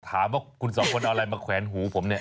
ถามว่าคุณสองคนเอาอะไรมาแขวนหูผมเนี่ย